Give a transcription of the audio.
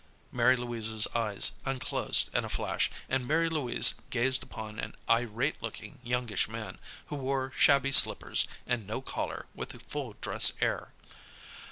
Mary Louise's eyes unclosed in a flash, and Mary Louise gazed upon an irate looking, youngish man, who wore shabby slippers, and no collar with a full dress air.